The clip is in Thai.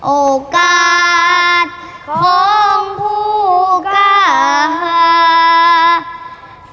โอกาสของผู้กล้าหา